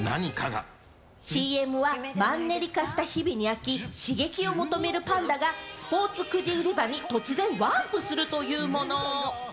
ＣＭはマンネリ化した日々を送るパンダが刺激を求め、スポーツくじ売り場に突然ワープするというもの。